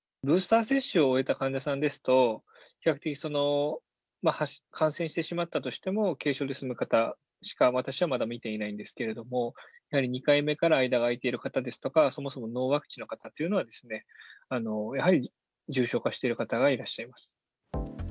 ブースター接種を終えた患者さんですと、比較的感染してしまったとしても、軽症で済む方しか、私はまだみていないんですけれども、やはり２回目から間が空いている方ですとか、そもそもノーワクチンの方というのは、やはり重症化している方がいらっしゃいます。